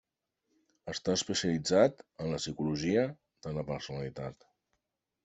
Està especialitzat en la psicologia de la personalitat.